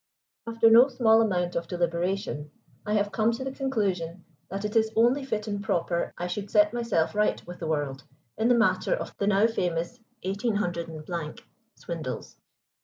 * After no small amount of deliberation, I have come to the conclusion that it is only fit and proper I should set myself right with the world in the matter of the now famous 18 swindles.